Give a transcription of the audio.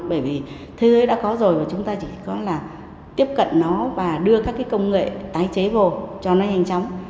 bởi vì thế giới đã có rồi và chúng ta chỉ có là tiếp cận nó và đưa các cái công nghệ tái chế vô cho nó nhanh chóng